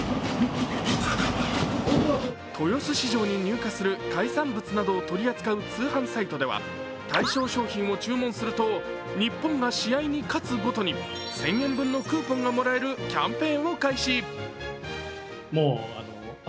豊洲市場に入荷する海産物などを取り扱う通販サイトでは対象商品を注文すると日本が試合に勝つごとに１０００円分のクーポンがもらえるキャンペーンを開始。